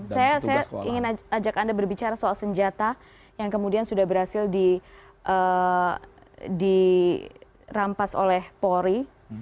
saya ingin ajak anda berbicara soal senjata yang kemudian sudah berhasil dirampas oleh polri